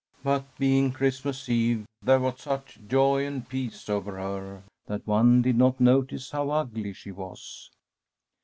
But being Christmas eve, there was such a joy and peace over her that one did not notice how ugly she was.